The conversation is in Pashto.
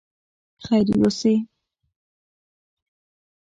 خیر اوسې.